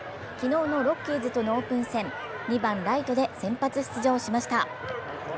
昨日のロッキーズとのオープン戦、２番・ライトで先発出場しました。